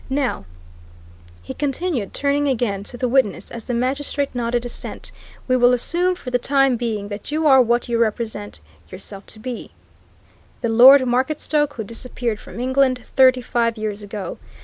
Now," he continued, turning again to the witness as the magistrate nodded assent, "we will assume for the time being that you are what you represent yourself to be the Lord Marketstoke who disappeared from England thirty five years ago.